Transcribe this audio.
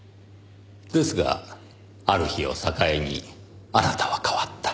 ですがある日を境にあなたは変わった。